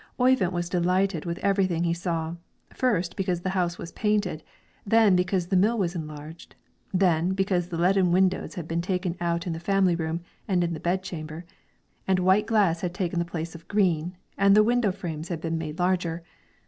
Oyvind was delighted with everything he saw: first because the house was painted, then because the mill was enlarged, then because the leaden windows had been taken out in the family room and in the bed chamber, and white glass had taken the place of green, and the window frames had been made larger.